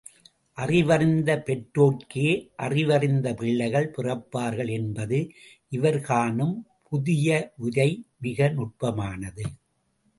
அறிவறிந்த பெற்றோர்க்கே அறிவறிந்த பிள்ளைகள் பிறப்பார்கள் என்பது இவர் காணும் புதியவுரை மிக நுட்பமானது.